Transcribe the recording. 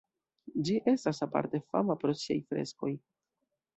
Ĝi estas aparte fama pro siaj freskoj.